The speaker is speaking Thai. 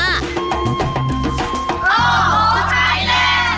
อ้อฮอล์ไทยแลนด์